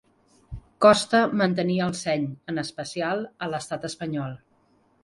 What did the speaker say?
Costa mantenir el seny, en especial a l'Estat espanyol.